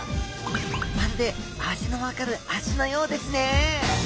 まるで味のわかる足のようですね